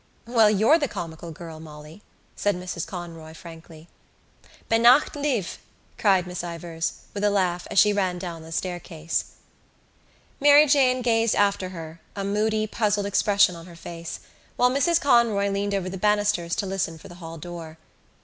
"Well, you're the comical girl, Molly," said Mrs Conroy frankly. "Beannacht libh," cried Miss Ivors, with a laugh, as she ran down the staircase. Mary Jane gazed after her, a moody puzzled expression on her face, while Mrs Conroy leaned over the banisters to listen for the hall door.